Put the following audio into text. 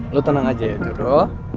udah lu tenang aja ya jodoh